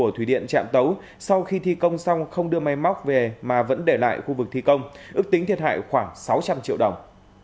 hồ thủy điện trạm tấu sau khi thi công xong không đưa máy móc về mà vẫn để lại khu vực thi công ước tính thiệt hại khoảng sáu trăm linh triệu đồng